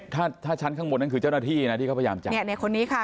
ถ้าถ้าชั้นข้างบนนั่นคือเจ้าหน้าที่นะที่เขาพยายามจับเนี่ยในคนนี้ค่ะ